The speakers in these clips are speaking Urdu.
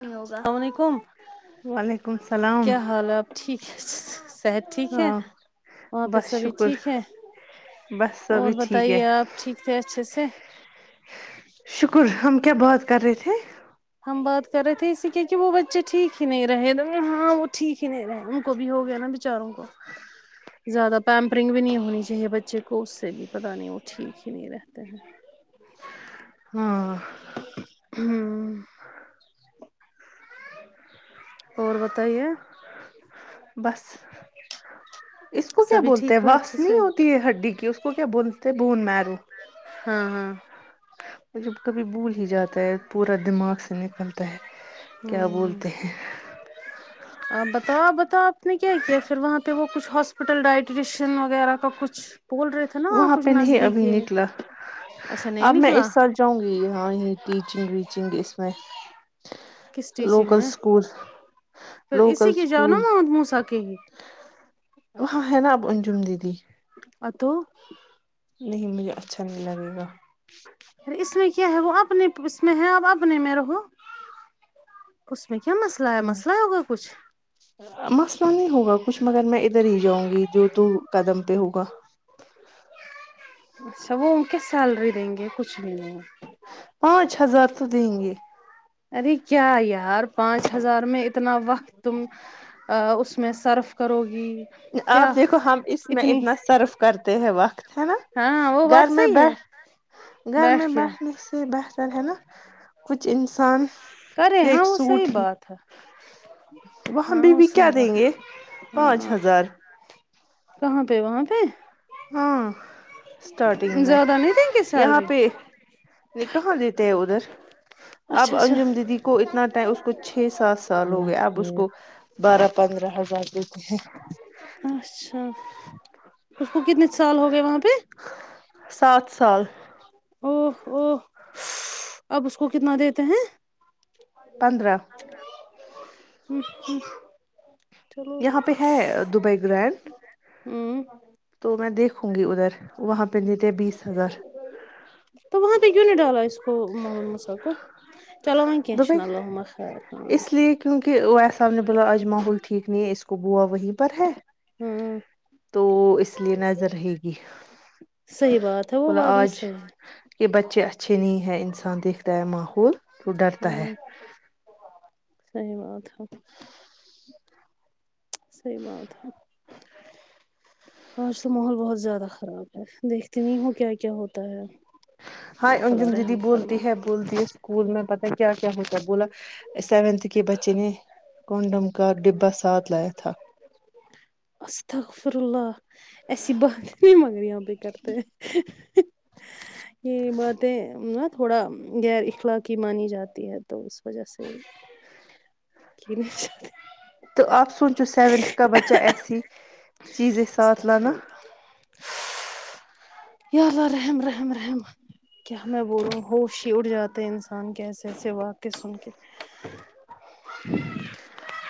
ہیلو السلام وعلیکم وعلیکم السلام کیا حال ہے اب ٹھیک ہے صحت ٹھیک ہے ہاں وہاں پہ بس سبھی شکر ٹھیک ہے بس اور سبھی ٹھیک ہے بتائیے آپ ٹھیک تھے اچھے سے شکر ہم کیا بات کر رہے تھے ہم بات کر رہے تھے اسی کے کہ وہ بچے ٹھیک ہی نہیں رہے د ہاں وہ ٹھیک ہی نہیں رہے کو بھی ہو گیا ناں بچاروں کو زیادہ پیمپرنگ بھی نہیں ہونی چاہیے بچے کو اس سے بھی پتہ نہیں ہو ٹھیک ہی نہیں رہتے ہیں ہاں ہوں اور بتائیے بس اس کو کیا سبھی بولتے ہیں ٹھیک ہو اچھے واس سے نہیں ہوتی ہے ہڈی کی اس کو کیا بولتے بون میرو ہاں ہاں وہ جب کبھی بھول ہی جاتا ہے پورا دماغ سے نکلتا ہے کیا ہوں بولتے ہیں آپ بتاؤ آپ بتاؤ آپ نے کیا کیا ہے پھر وہاں پہ وہ کچھ ہاس ٹوٹل ڈائٹیشن وغیرہ کا کچھ بول رہے تھے ناں وہ وہاں کچھ پہ نہیں نزدیکی ابھی یہ ہے نکلا اچھا نہیں نکلا چاہوں گی یہاں ہی ٹیچنگ ویچنگ اس میں کس ٹیچنگ لوکل میں اسکول لوکل اسکولول ہو سکے گی ہاں ہے ناب انجم دیدی ا تو نہیں مجھے اچھا نہیں لگے گا ار اس میں کیا ہے وہ اپنے اس میں ہے آپ اپنے میں رہو اس میں کیا مسئلہ ہے نہیں مسئلہ ہوگا کچھ مسئلہ نہیں ہوگا کچھ مگر میں ادھر ہی جاؤں گی جو تو قدم پہ ہوگا اچھا وہ ان کے سیلری دیں گے کچھ بھی نہیںیں گا پانچ ہزار تو دیں گے ارے کیا یار پانچ ہزار میں اتنا وقت تم اس میں صرف کرو گی آپ کیا دیکھو ہم اس میں اتنی اتنا صرف کرتے ہیں وقت ہے نا ہاں وہ گھر بات میں صحیح ہے بیٹھ گھر بیٹھ میں کے بیٹھنے سے بہتر ہے نا کچھ انسان کرے ہاں ایک وہ صحیح سوٹ ہی بات ہے وہاںں ہاں بی وہ بھی کیا صحیح دیں گے بات پانچ ہاں ہزار کہاں پہ وہاں پہ ہاں اسٹارٹنگ میں زیادہ نہیں دیں گے یہاں سیلری پہ نہیں کہاں دیتے ہیں ادھر اب اچھا اچھا انجم دیدی کو اتنا ٹائم اس کو چھ سات سال ہو گیا اب اس کو بارہ پندرہ ہزار دیتے ہیں اچھا اس کو کتنے سال ہو گئے وہاں پہ سات سال او او اب اس کو کتنا دیتے ہیں پندرہ چلو یہاں پہ ہے دبئی گرینڈ ہوں تو میں دیکھوں گی ادھر وہاں پہ دیتے بیس ہزار تو وہاں پہ کیوں نہیں ڈالا اس کو م مسا کو چلو دبئی و اس [unintelligible] لیے کیونکہ او ایساحب نے بولا آج ماحول ٹھیک نہیں ہے اس کو بوا وہیں پر ہے ہوں تو اس لیے نظر رہے گی صحیح بات ہے وہ بولا بات بھی آج صحیح ہے کہ بچے اچھے نہیں ہیں انسان دیکھتا ہے ماحول تو ڈرتا ہے ہوں صحیح بات ہے صحی بات تھا آج تو ماحول بہت زیادہ خراب ہے دیکھتی نہیں ہوں کیا کیا ہوتا ہے ہائے اللہ تعالی انجم دیدی رحم بولتی فرما ہے بولتی ہے اسکول میں پت کیا کیا ہو تا بولا سیونتھ کے بچے نے کونڈم کر ڈبا ساتھ لایا تھا استغفر اللہ ایسی بات نہیں مانگ رہی یہ پہ کرتے یہ باتیں نا تھوڑا غیر اخلاقی مانی جاتی ہے تو اس وجہ سے کہ نہیں تو آپ سونچو سیونتھ کا بچہ ایسی چیز ساتھ استغفر لانا اللہ یا الله رحم رحم رحم کیا میں بولوں ہوش ہی اڑ جاتے ہیں انسان کے ایسے ایسے واقع سن کے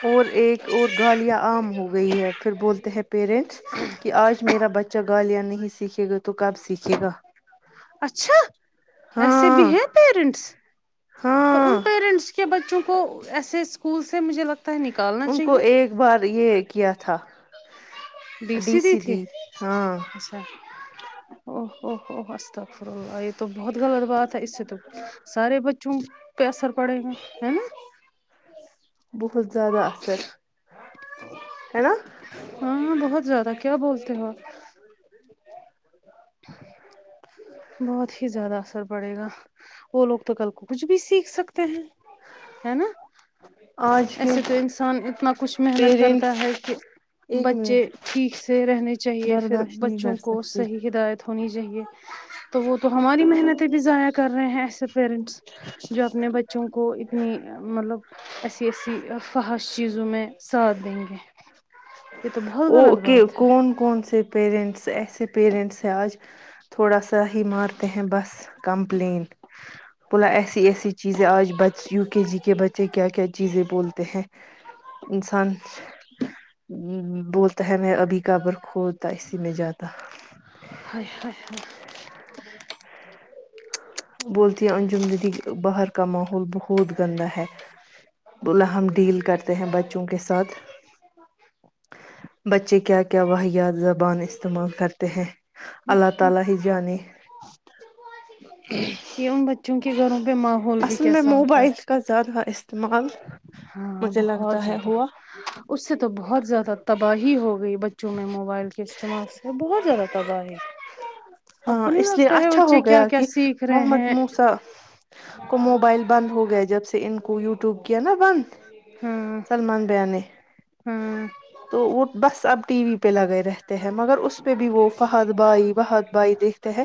اور ایک اور گالیاں عام ہو گئی ہے پھر بولتے ہیں پیرنٹس کہ آج میرا بچہ گالیاں نہیں سیکھے گا تو کب سیکھے گا اچھا ایسے بھی ہاں ہیں پیرنٹس تو ان ہاں پ کے بچوں کو ایسے اسکول سے مجھے لگ ان کو ایک بار یہ کیا تھا بی سی دی تھی او او او استغفراللہ یہ تو بہت غلط بات ہے اس سے تو سارے بچوں پہ اثر پڑے گا ہے نا بہت زیادہ اثر ہے نا ہاں بہت زیادہ کیا بولتے ہو [inaudible] بہت ہی زیادہ اثر پڑے گا وہ لوگ تو کل کچھ بھی سیکھ سکتے ہیں ہے نا آج کے ایسے تو انسان اتنا کچھ محنت پیرنٹس کرتا ہے کہ ایک بچے منٹ ٹھیک سے رہنے چاہیے پھر برداشت نہیں کر بچوں کو سکتے صحیح ہدایت ہونی چاہیے تو وہ تو ہماری محنتیں بھی ضائع کر رہے ہیں ایسے پیرنٹس جو اپنے بچوں کو اتنی مطلب ایسی ایسی فحش چیزوں میں ساتھ دیں گے یہ تو بہت غلط اوکے بات ہے کون کون سے پیرنٹس ایسے پیرنٹس ہیں آج تھوڑا سا ہی مارتے ہیں بس کمپلینٹ بولا ایسی ایسی چیزیں آج بچ یو کے جی کے بچے کیا کیا چیزیں بولتے کہ ہیں انسان بولتا ہے میں ابھی قبر خود تا اسی میں جاتا ہائے ہائے بولتی ہیں انجم دیدی باہر کا ماحول بہت گندا ہے بولا ہم ڈیل کرتے ہیں بچوں کے ساتھ ہ [inaudible] بچے کیا کیا واحیات زبان استعمال کرتے ہیں اللہ ہائے، تعالی ہی جانے ہہم۔۔ یہ ان بچوں کے گھروں پہ ماحول بھی میں کیسا ہوتا موبائل ہے کا زیادہ استعمال ہاں مجھے بہت لگتا ہے زیادہ ہوا اس سے تو بہت زیادہ تباہی ہو گئی بچوں میں موبائل کے استعمال سے بہت زیادہ تباہی ہ [inaudible] ہاں اس لیے اچھا ہو گیا کہ سیکھ رہے محمد ہیں موسہ کو موبائل بند ہو گیا جب سے ان کو یوٹیوب کیا نا بند ہاں سلمان بھیا نے ہاں تو وہ بس اب ٹی وی پہ لگے رہے ہیں مگر اس پہ بھی وہ فہد بائی فہد بھائی دیکھتے ہیں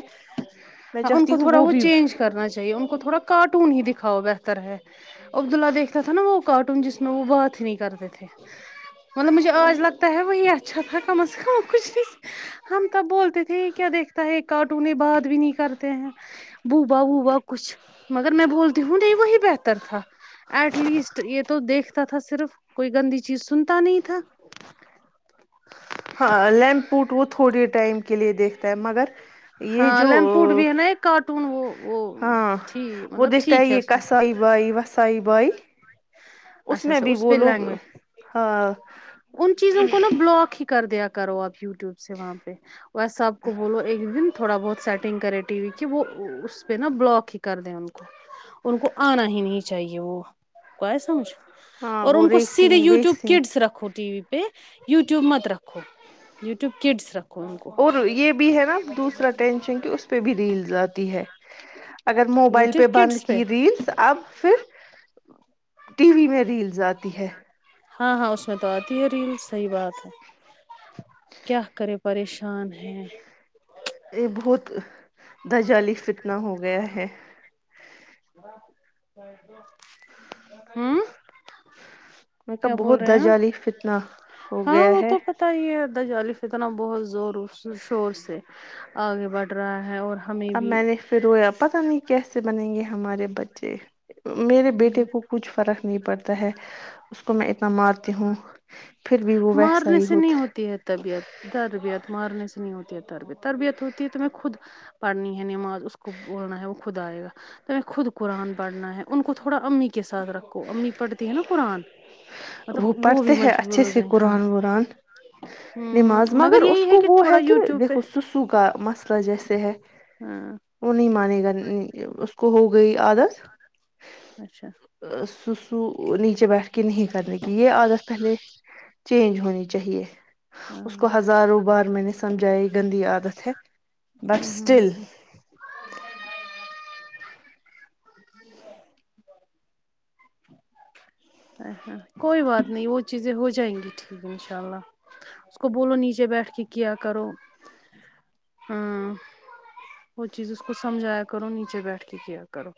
میں ان کو چاہتی ہوں تھوڑا وہ بھی چینج کرنا چاہیے ان کو تھوڑا کارٹون ہی دکھاؤ بہتر ہے عبد اللہ دیکھتا تھا نا وہ کارٹون جس میں وہ بات ہی نہیں کرتے تھے مطلب مجھے آج لگتا ہے وہی اچھا تھا کم از کم ہم کچھ نہیں سن ہم تب بولتے تھے یہ کیا دیکھتا ہے کارٹونے بعد بھی نہیں کرتے ہیں بوبا ووبا کچھ مگر میں بولتی ہوں نہیں وہی بہتر تھا ایٹ لیسٹ یہ تو دیکھتا تھا صرف کوئی گندی چیز سنتا نہیں تھا ہاں لیمپ پوٹ وہ تھوڑی ٹائم کے لیے دیکھتا ہے مگر یہ ہاں جو لیمپوٹ بھی ہے نا ایک کارٹون وہ وہ ہاں ٹھیک وہ مطلب دیکھتا ہے ٹھیک یہ اس میں کسائی بائی وسائی بائی اچھا میں اچھا بھی اس وہ پہ لوگ لینگویج ہاں ان چیزوں کو نا بلاک ہی کر دیا کرو آپ یوٹیوب سے وہاں پہ اور سب کو بولو ایک دن تھوڑا بہت سیٹنگ کرے ٹی وی کی وہ اس پہ نا بلاک ہی کر دیں ان کو ان کو آنا ہی نہیں چاہیے وہ کو ہے سمجھ ہاں اور وہ ان کو سیدھے ریسنگ یوٹیوب ویسنگ کڈس رکھو ٹی وی پ یو ٹیوب مت رکھو یوٹیوب کڈس رکھو ان کو اور یہ بھی ہے نا دوسرا ٹینشن کہ اس پہ بھی ریلز آتی ہے اگر موبائل پہ یوٹیوب بند کڈس پہ کی ریلس اب پھر ٹی وی میں ریلز آتی ہے ہاں ہاں اس میں تو آتی ہے ریلز صحیح بات ہے کیا کرے پریشان ہے یہ بہت دجالی فتنا ہو گیا ہے و ہوں میک اپ کیا بول بہت رہے ہیں آپ دجالی فتنہ ہو گیا ہے ات یہ ہے دجالی فتنا بہت زور شور سے آگے بڑھ رہا ہے اور ہمیں اب بھی میں نے پھر رویا پتا نہیں کیسے بنیں گے ہمارے بچے میرے بیٹے کو کچھ فرق نہیں پڑتا ہے اس کو میں اتنا مار ہوں پھر بھی وہ ویسا مارنے ہی سے نہیں ہوتا ہوتی ہے طبیعت تربیت مارنے سے نہیں ہوتی ہے تربیت تربیت ہوتی ہے تو میں خود پڑھنی ہے نماز اس کو بولنا ہے وہ خود آئے گا توہیں خود قرآن پڑھنا ہے ان کو تھوڑا امی کے ساتھ رکھو امی پڑھتی ہیں نا قرآن مطلب وہ پڑھتے بھی ہیں مجبور اچھے ہو سے جائیں ہاں قرآن ورن نماز مگر اس یہی کو وہ تھوڑا ہے کہ یوٹیوب پہ دیکھو سسو کا مسئلہ جیسے ہے ہاں وہ نہیں مانے گا اس کو ہو گئی عادت اچھا سو سو نیچے بیٹھ کہ نہیں کرنے کی یہ عادت پہلے چینج ہونی چاہیے اس ہاں کو ہزاروں بار میں نے سمجھایا یہ گندی عادت ہے بٹ اسٹل ا ہاں کوئی بات نہیں وہ چیزیں ہو جائیں گی ٹھیک انشاء اللہ اس کو بولو نیچے بیٹھ کے کیا کرو ہاں وہ چیز اس کو سمجھایا کرو نیچے بیٹھ کے کیا کرو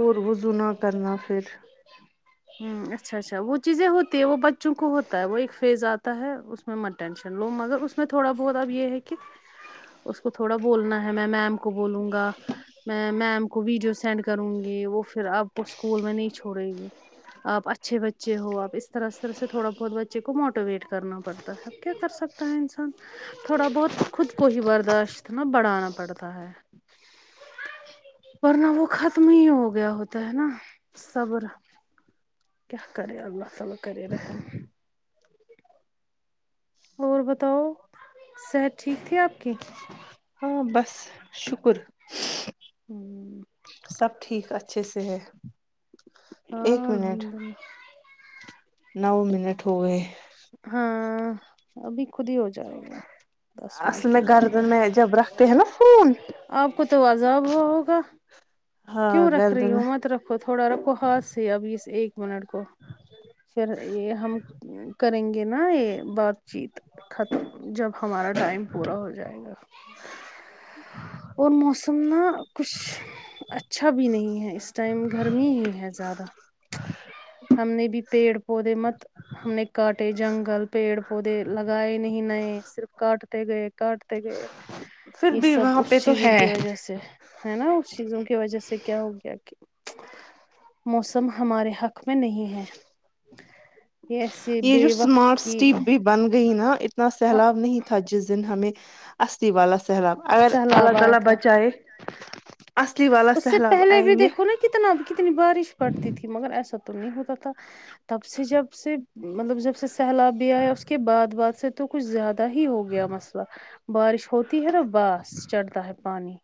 اور وضو نہ کرنا پھر ہ اچھا اچھا وہ چیزیں ہوتی ہے وہ بچوں کو ہوتا ہے وہ ایک فیز آتا ہے مت ٹینشن لو مگر اس میں تھوڑا بہت اب یہ ہے کہ اس کو تھوڑا بولنا ہے میں میم کو بولوں گا میں میم کو ویڈیو سینڈ کروں گی وہ پھر آپ کو اسکول میں نہیں چھوڑے گی آپ اچھے بچے ہو آپ اس طرح اس طرح سے تھوڑا بہت بچے کو موٹیویٹ کرنا پڑتا ہے آپ کیا کر سکتے تا انسان تھوڑا بہت خود کو ہی برداشت اتنا بڑھانا پڑتا ہے ورنہ وہ خط ختم ہی ہو گیا ہوتا ہے نا صبر کیا کرے اللہ تعالی کرے رحم اور بتاؤ صحت ٹھیک تھی آپ کی ہاں بس شکر ہوں سب ٹھیک اچھے سے ہے ہاں ایک منٹ الحمد للہ نو منٹ ہو گئے ہاں ابھی خود ہی ہو جائے گا دس منٹ اصل کے میں بعد گردن میں جب رکھتے ہے نا فون آپ کو تو عذاب ہوا ہوگا ہاں کیوں رکھ رہی گردن ہو مت رکھو تھوڑا رکھو ہاتھ سے اب اس ایک منٹ کو پھر یہ ہم کریں گے یہ نا یہ بات چیت ختم جب ہمارا ٹائم پورا ہو جائے گا اور موسم نا کچھ اچھا بھی نہیں ہے اس ٹائم گرمی ہی ہے زیادہ ہم نے بھی پیڑ پودے مت ہم نے کاٹے جنگل پیڑ پودے لگائے نہیں نئے صرف کاٹ تے گئے کاٹتے گئے پھر یہ بھی سب وہاں پہ اس تو چیزوں ہے کی وجہ سے ہے نا اس چیزوں کی وجہ سے کیا ہو گیا کہ موسم ہمارے حق میں نہیں ہے یہ ایسے یہ جو بے وقت اسمارٹ کی سٹی بھی بن گئی نا اتنا سیلاب نہیں تھا جس دن ہمیں اصلی والا سیلاب اگر سیلاب اللہ آیا تعالی تھا بچائے اصلی والا اس سے سیلاب پہلے بھی آئیں گے دیکھو نا کتنا کتنی بارش پڑتی تھی مگر ایسا تو نہیں ہوتا تھا تب سے جب سے مطلب جب سے سیلاب بھی آیا اس کے بعد بعد سے تو کچھ زیادہ ہی ہو گیا مسئلہ بارش ہو ہے نا بس چڑھتا ہے پانی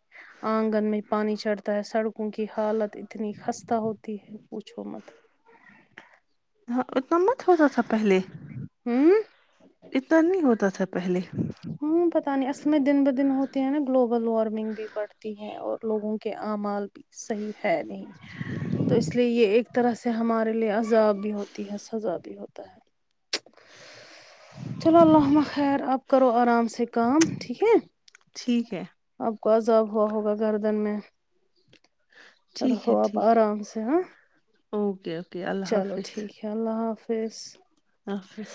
آنگن میں پانی چڑھتا ہے سڑک کیونکہ حالت اتنی خستہ ہوتی ہے پوچھو مت ہاں اتنا مت ہوتا تھا پہلے ہوں اتنا نہیں ہوتا تھا پہلے ہاں پتا نہیں اصل میں دن بہ دن ہوتے ہیں نا گلوبل وارمنگ بھی بڑھتی ہے اور لوگوں کے امال بھی صحیح ہے نہیں تو اس لیے یہ ایک طرح سے ہمارے لیے عذاب بھی ہوتی ہے سزا بھی ہوتا ہے چلو اللہ ہمما خیر آپ کرو آرام سے کا ٹھیک ہے ٹھیک ہے آپ کو عذاب ہوا ہوگا گردن میں ٹھیک ہے رہو آپ ٹھیک ہے آرام سے ہاں اوکے اللہ چلو حافظ ٹھیک ہے اللہ حافظ اللہ حافظ